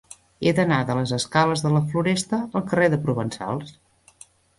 He d'anar de les escales de la Floresta al carrer de Provençals.